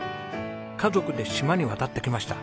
家族で島に渡ってきました。